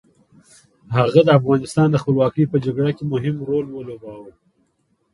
هغه د افغانستان د خپلواکۍ په جګړه کې مهم رول ولوباوه.